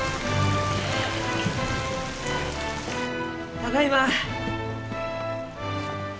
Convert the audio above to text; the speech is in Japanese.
ただいま！